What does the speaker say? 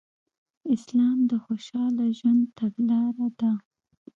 اسلام د خوشحاله ژوند تګلاره ده